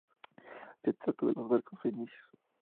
Se trata de los barcos fenicios.